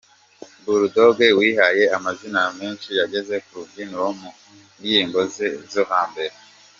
Bull Dog wihaye amazina menshi yageze ku rubyiniro mu ndirimbo ze zo hambere.